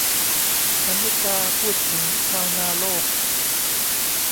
กรรณิการ์ พูดถึง ชาวนาโลก